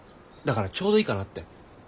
だからちょうどいいかなって。